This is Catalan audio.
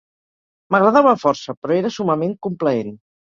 M'agradava força però era summament complaent.